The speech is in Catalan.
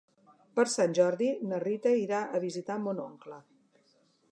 Per Sant Jordi na Rita irà a visitar mon oncle.